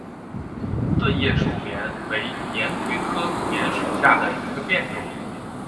钝叶树棉为锦葵科棉属下的一个变种。